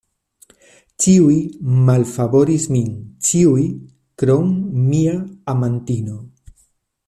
Ĉiuj malfavoris min, ĉiuj, krom mia amatino.